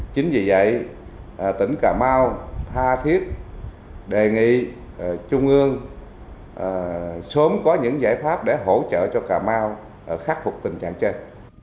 chính vì vậy tỉnh cà mau tha thiết đề nghị trung ương sớm có những giải pháp để hỗ trợ cho cà mau khắc phục tình trạng trên